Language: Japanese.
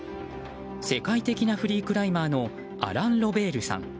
世界的なフリークライマーのアラン・ロベールさん。